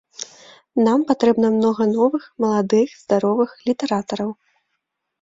Нам патрэбна многа новых маладых, здаровых літаратараў.